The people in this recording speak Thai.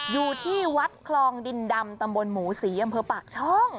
อยู่ที่วัดคลองดินดำตำบลหมูศรีอำเภอปากช่อง